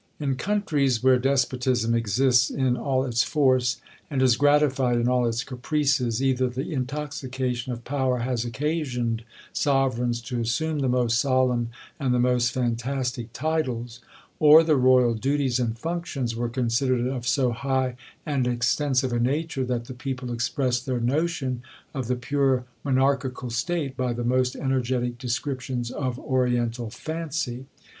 In countries where despotism exists in all its force, and is gratified in all its caprices, either the intoxication of power has occasioned sovereigns to assume the most solemn and the most fantastic titles; or the royal duties and functions were considered of so high and extensive a nature, that the people expressed their notion of the pure monarchical state by the most energetic descriptions of oriental fancy.